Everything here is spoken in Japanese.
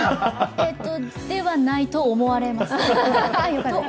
えっとではないと思われます。